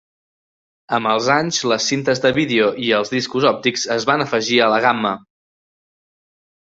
Amb els anys, les cintes de vídeo i els discos òptics es van afegir a la gamma.